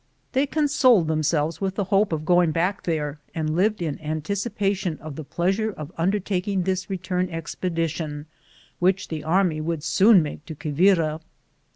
They consoled them selves with the hope of going back there, and lived in anticipation of the pleasure of undertaking this return expedition, which the army would soon make to Quivira.